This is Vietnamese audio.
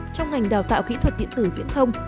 trong ngành đào tạo kỹ thuật điện tử viễn thông